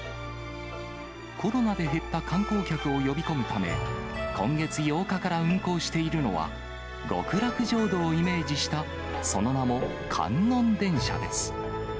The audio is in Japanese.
コロナで減った観光客を呼び込むため、今月８日から運行しているのは、極楽浄土をイメージしたその名も観音電車です。